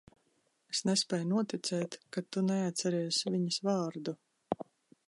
Es nespēju noticēt, ka tu neatceries viņas vārdu.